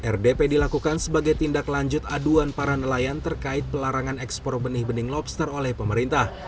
rdp dilakukan sebagai tindak lanjut aduan para nelayan terkait pelarangan ekspor benih benih lobster oleh pemerintah